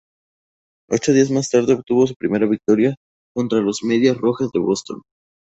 Ocho días más tarde, obtuvo su primera victoria contra los Medias Rojas de Boston.